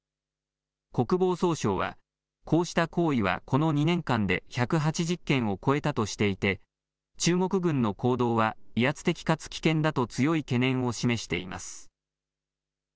国防総省は、こうした行為は、この２年間で１８０件を超えたとしていて、中国軍の行動は威圧的かつ危険だと、強い懸念を示しています。